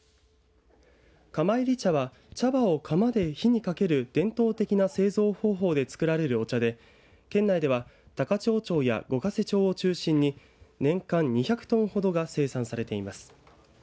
釜炒り茶は茶葉を火にかける伝統的な製造方法で作られることで県内では高千穂町や五ヶ瀬町を中心に年間２００トンほどが生産されています。